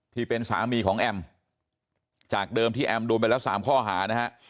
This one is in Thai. ที่เป็นสามีของแอมจากเดิมที่แอมโดนไปแล้ว๓ข้อหานะฮะ